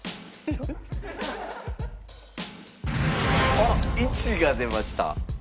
あっ１が出ました。